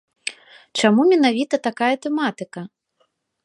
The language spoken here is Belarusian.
Чаму менавіта такая тэматыка?